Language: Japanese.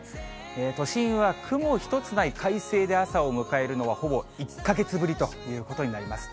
都心は雲一つない快晴で朝を迎えるのは、ほぼ１か月ぶりということになります。